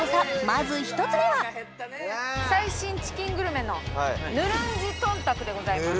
まず１つ目は最新チキングルメのヌルンジトンタクでございます